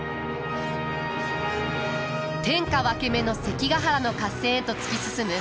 天下分け目の関ヶ原の合戦へと突き進む家康と家臣団。